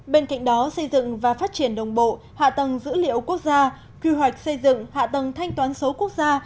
bên cạnh đó xây dựng và phát triển đồng bộ hạ tầng dữ liệu quốc gia quy hoạch xây dựng hạ tầng thanh toán số quốc gia